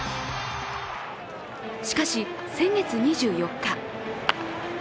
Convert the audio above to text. しかし先月２４日。